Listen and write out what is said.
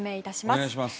お願いします。